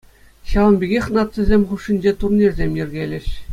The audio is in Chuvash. Ҫавӑн пекех нацисем хушшинче турнирсем йӗркелӗҫ.